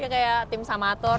ya kayak tim samator